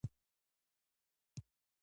زمری ښکار ته کمین نیسي.